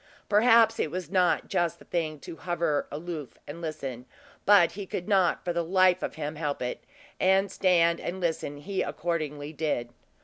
Perhaps it was not just the thing to hover aloof and listen; but he could not for the life of him help it; and stand and listen he accordingly did.